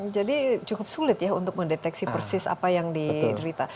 jadi cukup sulit ya untuk mendeteksi persis apa yang diderita